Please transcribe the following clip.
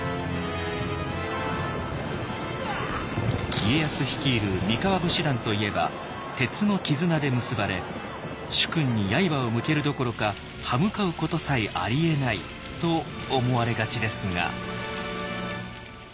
家康率いる三河武士団といえば鉄の絆で結ばれ主君に刃を向けるどころか刃向かうことさえありえないと思われがちですが。